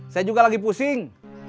saya juga lagi pusing